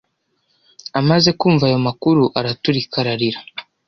Amaze kumva ayo makuru, araturika ararira.